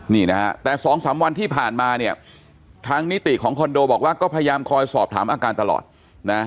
นี่นะฮะแต่สองสามวันที่ผ่านมาเนี่ยทางนิติของคอนโดบอกว่าก็พยายามคอยสอบถามอาการตลอดนะ